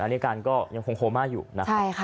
อเมริการก็ยังคงโฮมาอยู่นะครับ